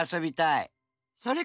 それから？